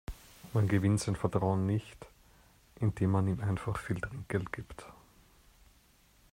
Man gewinnt sein Vertrauen nicht, indem man ihm einfach viel Trinkgeld gibt.